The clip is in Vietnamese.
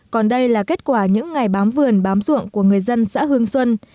còn đây là kết quả những ngày bám vườn bám ruộng của người dân xã hương xuân